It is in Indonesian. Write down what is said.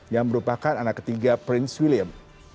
yang merupakan anak ketiga prince william